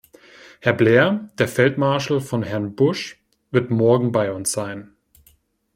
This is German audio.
Herr Blair, der Feldmarschall von Herrn Bush, wird morgen bei uns sein.